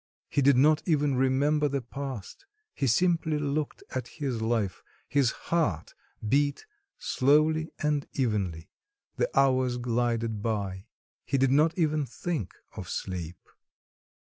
He did not even remember the past; he simply looked at his life; his heart beat slowly and evenly; the hours glided by; he did not even think of sleep.